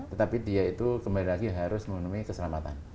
tetapi dia itu kembali lagi harus memenuhi keselamatan